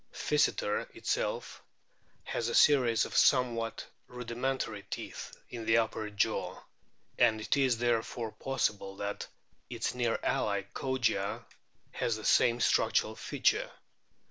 Physeter itself has a series of somewhat rudimentary teeth in the upper jaw, and it is therefore possible that its near ally Kogia has the same structural feature.